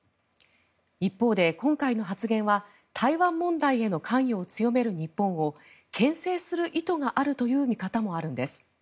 一方で今回の発言は台湾問題への関与を強める日本をけん制する意図があるという見方もあるんです。